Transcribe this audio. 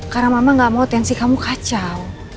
karena mama nggak mau tensi kamu kacau